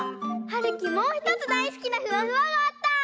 はるきもうひとつだいすきなフワフワがあった！